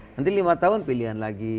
nanti lima tahun pilihan lagi